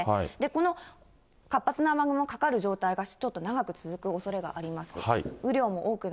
この活発な雨雲かかる状態がちょっと長く続くおそれがあります。